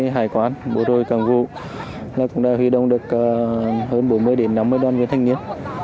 hải quán bộ đội cảng vũ cũng đã huy động được hơn bốn mươi đến năm mươi đoàn viên thanh niên